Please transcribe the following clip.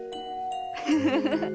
フフフフッ。